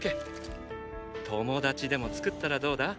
友達でも作ったらどうだ？